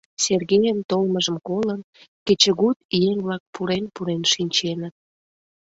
...Сергейын толмыжым колын, кечыгут еҥ-влак пурен-пурен шинченыт.